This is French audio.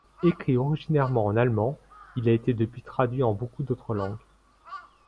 Écrit originairement en allemand, il a été depuis traduit en beaucoup d'autres langues.